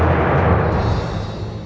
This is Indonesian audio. aku akan selalu melindungimu